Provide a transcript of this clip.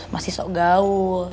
masih sok gaul